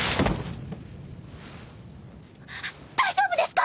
大丈夫ですか？